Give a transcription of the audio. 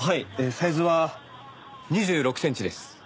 サイズは２６センチです。